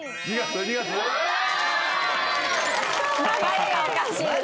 流れがおかしいですよ。